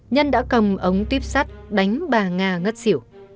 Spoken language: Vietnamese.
nhân đã cầm ống tuyếp sắt đánh bà nga ngất xỉu